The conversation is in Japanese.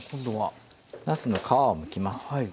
なすの皮をむきます。